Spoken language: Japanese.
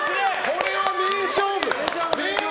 これは名勝負！